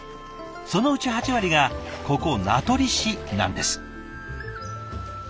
そのうち８割がここ名取市なんです。